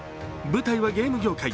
舞台はゲーム業界。